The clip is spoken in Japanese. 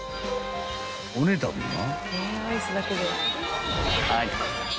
［お値段は？］